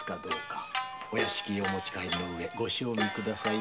お屋敷へお持ち帰りのうえご賞味くださいませ。